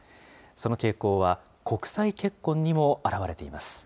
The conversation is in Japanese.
その傾向は、国際結婚にも表れています。